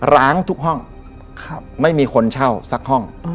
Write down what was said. ล้างทุกห้องไม่มีคนเช่าสักห้อง